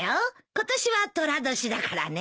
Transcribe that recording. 今年はとら年だからね。